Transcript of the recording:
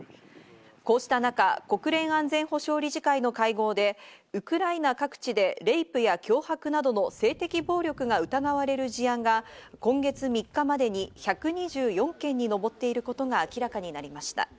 こうした中、国連安全保障理事会の会合で、ウクライナ各地でレイプや脅迫などの性的暴力が疑われる事案が今月３日までに１２４件に上っていることが明らかになりました。